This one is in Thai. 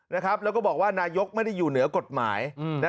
แล้วก็บอกว่านายกไม่ได้อยู่เหนือกฎหมาย